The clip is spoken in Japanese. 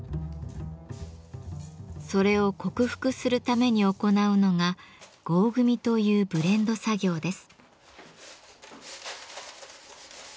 それを克服するために行うのが「合組」というブレンド作業です。